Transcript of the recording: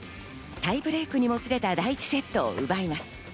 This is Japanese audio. タイブレークにもつれた第１セットを奪います。